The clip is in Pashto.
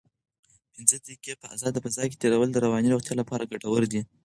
پنځه دقیقې په ازاده فضا کې تېرول د رواني روغتیا لپاره ګټور دي.